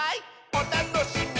おたのしみ！」